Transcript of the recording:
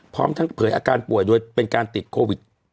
พร้อมทั้งเผยอาการป่วยโดยเป็นการติดโควิด